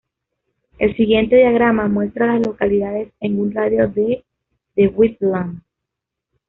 El siguiente diagrama muestra a las localidades en un radio de de Wheatland.